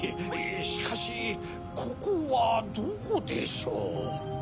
しかしここはどこでしょう？